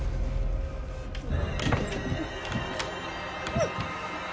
うっ！